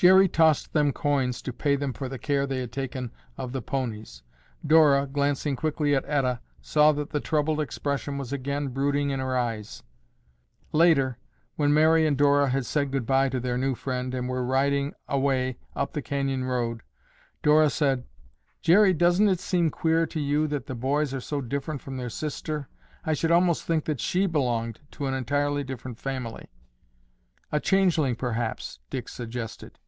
Jerry tossed them coins to pay them for the care they had taken of the ponies. Dora, glancing quickly at Etta, saw that the troubled expression was again brooding in her eyes. Later, when Mary and Dora had said goodbye to their new friend and were riding away up the canyon road, Dora said, "Jerry, doesn't it seem queer to you that the boys are so different from their sister? I should almost think that she belonged to an entirely different family." "A changeling, perhaps," Dick suggested.